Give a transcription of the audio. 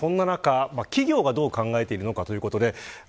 そんな中で企業がどう考えているのかということです。